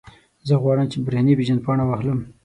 زه غواړم، چې برېښنایي پېژندپاڼه واخلم.